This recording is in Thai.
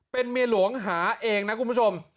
เป็นเมียหลวงหาเองนะคุณผู้ชม